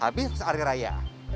habis sehari raya